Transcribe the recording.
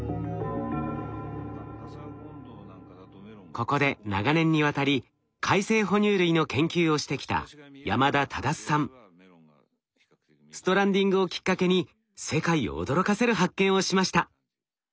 ここで長年にわたり海棲哺乳類の研究をしてきたストランディングをきっかけに世界を驚かせる発見をしました。